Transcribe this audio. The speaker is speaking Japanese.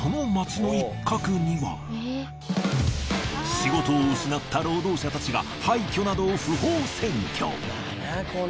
仕事を失った労働者たちが廃墟などを。